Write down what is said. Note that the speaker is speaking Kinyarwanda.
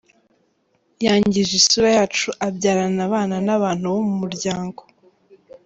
Yangije isura yacu abyarana abana n’abantu bo mu muryango .